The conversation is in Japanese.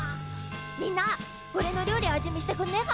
みんなおれの料理味見してくんねえか！？